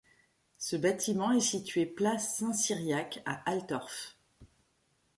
Ce bâtiment est situé place Saint-Cyriaque à Altorf.